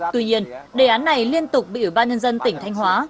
tuy nhiên đề án này liên tục bị ủy ban nhân dân tỉnh thanh hóa